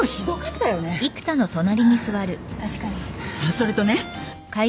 それとね。